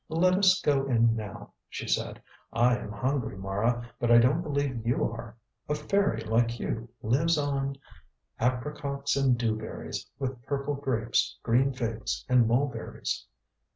"Let us go in now," she said. "I am hungry, Mara, but I don't believe you are. A fairy like you, lives on: "'apricocks and dewberries, With purple grapes, green figs, and mulberries.'"